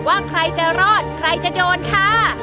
ว่าใครจะรอดใครจะโดนค่ะ